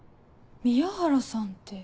宮原さんって。